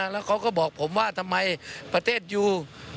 แล้วเขาก็บอกผมว่าทำไมประเทศยู